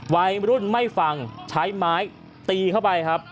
วัยรุ่นไม่ฟังใช้ไม้ตีเข้าไปครับ